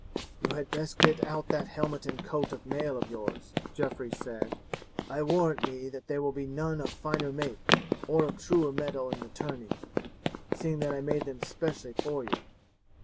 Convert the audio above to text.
"You had best get out that helmet and coat of mail of yours," Geoffrey said, "I warrant me that there will be none of finer make or of truer metal in the tourney, seeing that I made them specially for you.